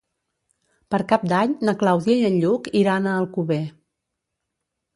Per Cap d'Any na Clàudia i en Lluc iran a Alcover.